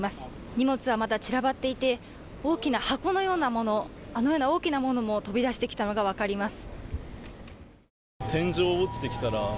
荷物はまだ散らばっていて、大きな箱のようなもの、あのような大きなものも飛び出してきたのが分かります。